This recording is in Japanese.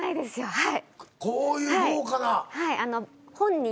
はい。